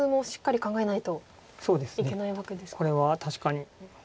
これは確かに。